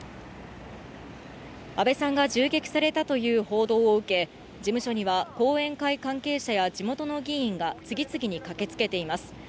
安倍さんが銃撃されたという報道を受け、事務所には後援会関係者や、地元の議員が次々に駆けつけています。